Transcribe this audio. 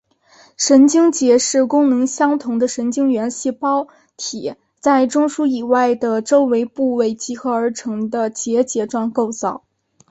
神经节是功能相同的神经元细胞体在中枢以外的周围部位集合而成的结节状构造。